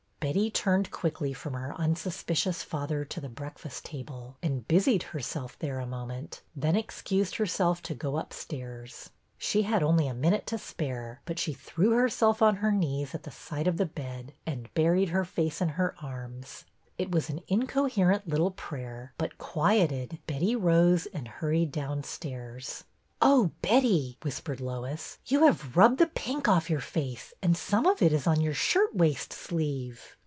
Betty turned quickly from her unsuspicious father to the breakfast table and busied herself there a moment, then excused herself to go up stairs. She had only a minute to spare, but she threw herself on her knees at the side of the bed, and buried her face in her arms. It was an inco herent little prayer, but, quieted, Betty rose and hurried downstairs. '' Oh, Betty," whispered Lois, '' you have rubbed the pink ofif your face, and some of it is on your shirtwaist sleeve